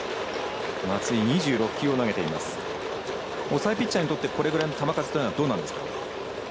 抑えピッチャーにとってこれぐらいの球数どうなんですか。